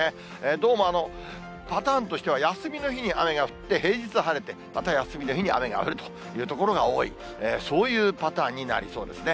どうも、パターンとしては、休みの日に雨が降って、平日晴れて、また休みの日に雨が降るという所が多い、そういうパターンになりそうですね。